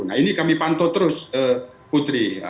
nah ini kami pantau terus putri